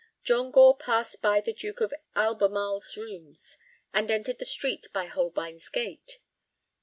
John Gore passed by the Duke of Albemarle's rooms, and entered the street by Holbein's Gate.